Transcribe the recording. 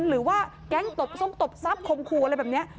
หรือว่าแก๊งตบซ้มตบซับคมคูอะไรแบบนี้